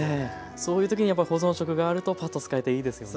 そういう時にやっぱり保存食があるとパッと使えていいですよね。